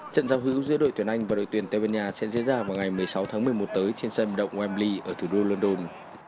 trận giao hữu giữa đội tuyển anh và đội tuyển tây ban nha sẽ diễn ra vào ngày một mươi sáu tháng một mươi một tới trên sân động welly ở thủ đô london